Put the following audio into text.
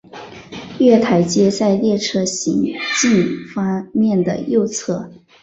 月台皆在列车行进方面的右侧。